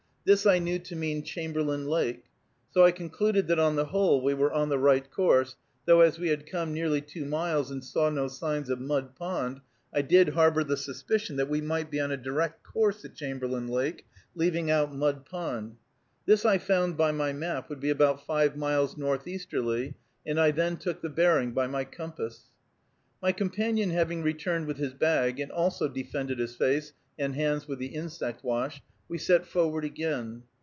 This I knew to mean Chamberlain Lake. So I concluded that on the whole we were on the right course, though as we had come nearly two miles, and saw no signs of Mud Pond, I did harbor the suspicion that we might be on a direct course to Chamberlain Lake, leaving out Mud Pond. This I found by my map would be about five miles northeasterly, and I then took the bearing by my compass. My companion having returned with his bag, and also defended his face and hands with the insect wash, we set forward again.